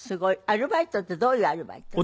アルバイトってどういうアルバイト？